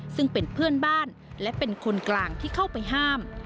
ซึ่งเป็นเพื่อนบ้านและเป็นคนกลางที่เข้าไปห้าม